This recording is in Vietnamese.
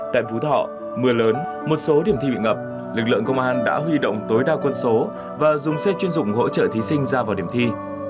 tại phú thọ mưa lớn một số điểm thi bị ngập lực lượng công an đã huy động tối đa quân số và dùng xe chuyên dụng hỗ trợ thí sinh ra vào điểm thi